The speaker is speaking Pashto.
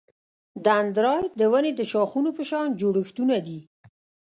دندرایت د ونې د شاخونو په شان جوړښتونه دي.